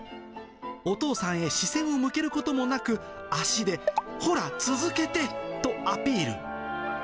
お父さんへ視線を向けることもなく、足で、ほら、続けてとアピール。